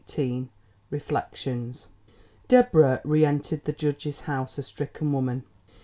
XVIII REFLECTIONS Deborah re entered the judge's house a stricken woman.